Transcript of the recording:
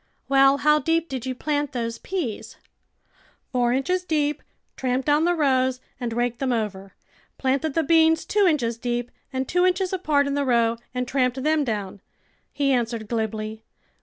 " Well, how deep did you plant those peas? "" Four inches deep, tramped down the rows, and raked them over. Planted the beans two inches deep and two inches apart in the row and tramped them down," he answered glibly.